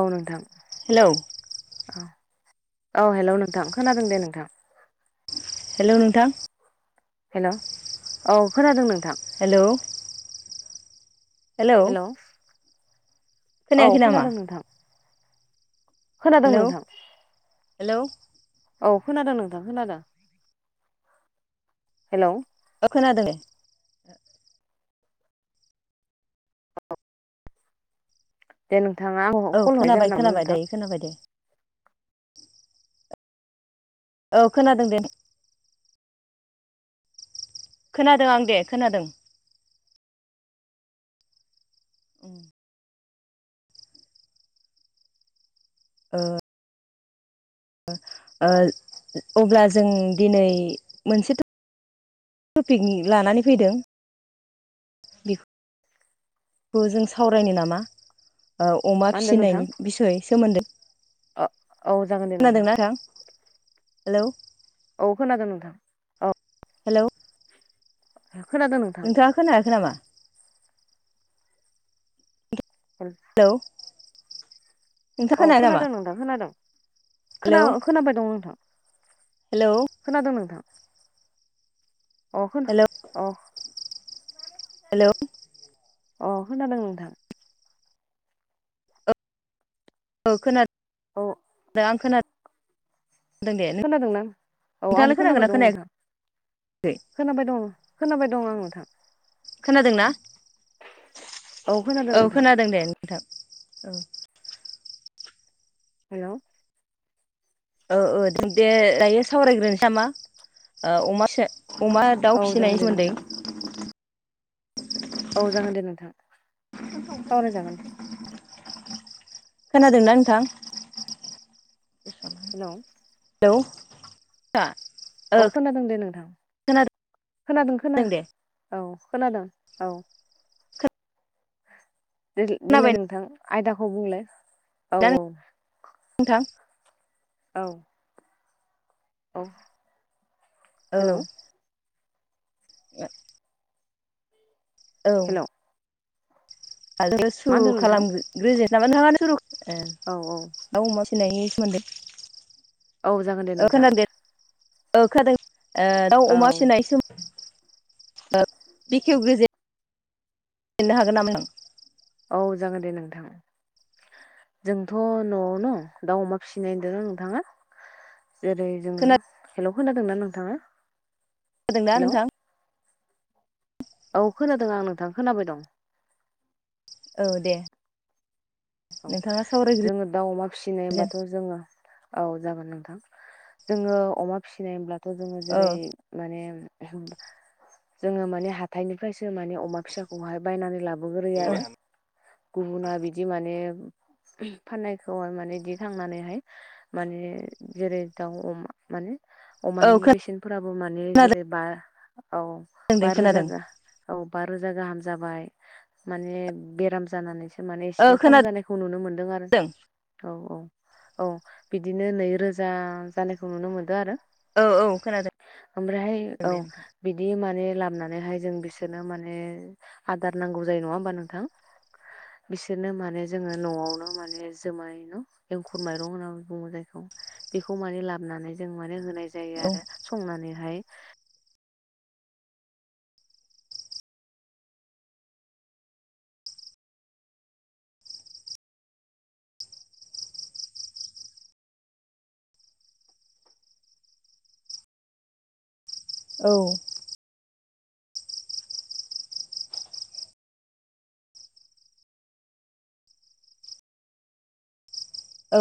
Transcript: औ नोंथां हेलौ औ औ हेलौ नोंथां खोनादों दे नोंथां। हेलौ नोंथां। हेलौ औ खोनादों नोंथां। हेलौ हेलौ खोनायाखै औ नामा खोनादों नोंथां। खोनादों हेलौ नोंथां। हेलौ औ खोनादों नोंथां खोनादों। हेलौ ओ खोनादों। दे नोंथाङा आंखौ औ कल हरनायनि खोनाबाय जाहोना मामोन खोनाबाय नोंथां? दायो खोनाबाय दे। औ खोनादों दे। खोनादों आं दे खोनादों। ओम ओ ओ अब्ला जों दिनै मोनसे थ' थपिकनि लानानै फैदों। ओ जों सावरायनो नामा अमा मा होनदों नोंथां फिसिनायनि बिसयै सोमोन्दो। औ जागोन दे नोंथां। हेलौ औ खोनादों नोंथां। हेलौ खोनादों नोंथां। नोंथाङा खोनायाखै नामा? [unintelligible] हेलौ नोंथाङा औ खोनायाखै नामा खोनादों नोंथां खोनादों। हेलौ खोना खोनाबाय दं नोंथां। हेलौ खोनादोंं नोंथां। अ खोना हेलौ अ हेलौ अ खोनादों नोंथां। औ खोनादों। औ आं खोनादों। दे खोनादों ना। औ आंबो नोंथाङालाय खोनाबाय खोनागोना दं नोंथां। खोनायाखै खोनाबाय दं खोनाबाय दं आं नोंथां। खोनादोंना? खोनादों औ नोंथां खोनादों दे नोंथां औ। हेलौ औ औ दे दायो सावरायग्रोनोसै नामा ओ अमा फिसा अमा दाउ औ जागोन फिसिनायनि दे सोमोन्दै। नोंथां औ जागोन दे नोंथां सावराय जागोन। खोनादोंना नोंथां? हेलौ हेलौ ओ औ खोनादों दे नोंथां। खोनादों खोनादों खोना दे औ खोनादों औ। देलाय खोनाबाय नोंथां आयदाखौ बुंलाय औ ना औ। नोंथां। औ औ औ हेलौ [inaudible] औ हेलौ आरो मा सुरु होनदों नोंथां खालाम ग्रोदो नामा नोंथाङानो सुरु औ औ दाउ अमा फिनायनि सोमोन्दै। औ जागोन दे ओ नोंथां खोनादों दे ओ खोनादों। ओ दाउ औ अमा फिसिनाय सोम बेखेव गोजे फनो हागोन नामा? औ जागोन दे नोंथां। जोंथ' न'आवनो दाउ अमा फिसिनायदों नोंथाङा। जेरै जोङो हेल' खोनादोंना नोंथाङा? हो ना हेलौ नोंथां। औ औ खोनादों आं नोंथां खोनाबाय दं। औ दे। औ नोंथाङा सावरायग्रोजेन जोङो दाउ अमा फिसिनाय हबाथ' जोङो औ जागोन नोंथां जोङो अमा फिसिनाय हब्लाथ' जोङो औ जेरै माने जोङो माने हाथथायनिफ्रायसो माने अमा फिसा खौहाय बायनानै लाबोग्रो औ आरो गुबुना बिदि माने फाननायखौाय माने दिखांनानैहाय। माने जेरै दाउ अमा माने औ अमानि बेसेनफोराबो माने खोनादों जेरै बा औ दे बा रोजा खोनादों गाह औ बा रोजा गाहाम जाबाय माने बेराम जानानैसो माने ओ एसे खम खोनादों जानायख खौ नुनो मोन्दों आरो औ औ औ बिदिनो नैरोजा जानायखौ नुनो मोनदों आरो औ औ खोनादों ओमफ्रायहाय औ। दे नोंथां। बिदि माने बोनानैहाय जों बिसोरनो माने आदार नांगौ जायो नङा होमबा नोंथां बिसोरनो माने जोङो न'आवनो माने जुमाय न' एंखुर माइरं होननानै बुङो जायखौ। बेखौ माने लाबोनानै जों माने होनाय जायो आरो औ संनानैहाय। औ औ